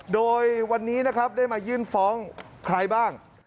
โดยวันนี้ได้มายื่นฟ้องใครบ้าง